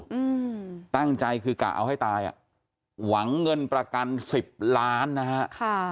อืมตั้งใจคือกะเอาให้ตายอ่ะหวังเงินประกันสิบล้านนะฮะค่ะ